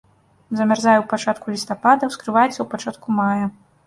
Замярзае ў пачатку лістапада, ускрываецца ў пачатку мая.